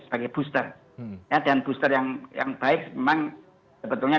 setelah katakan mengapoona kemenangan